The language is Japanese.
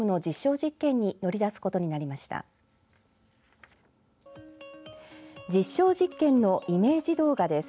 実証実験のイメージ動画です。